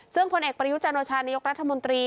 เสื่องผลแอบประยุจจานวชาตินายกรัฐมนตรี